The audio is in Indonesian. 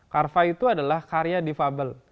carva itu adalah karya difabel